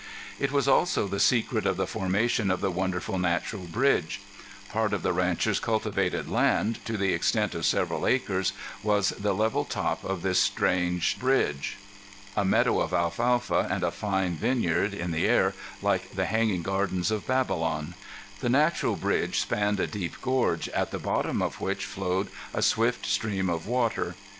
It was also the secret of the formation of the wonderful Natural Bridge. Part of the rancher's cultivated land, to the extent of several acres, was the level top of this strange bridge. A meadow of alfalfa and a fine vineyard, in the air, like the hanging gardens of Babylon! The natural bridge spanned a deep gorge, at the bottom of which flowed a swift stream of water.